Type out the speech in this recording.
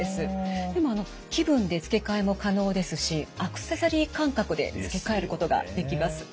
でも気分で付け替えも可能ですしアクセサリー感覚で付け替えることができます。